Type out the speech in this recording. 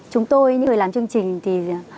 chúng tôi như người làm chương trình thì